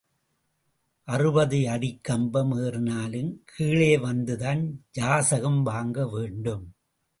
அறுபது அடிக் கம்பம் ஏறினாலும் கீழே வந்துதான் யாசகம் வாங்கவேண்டும்.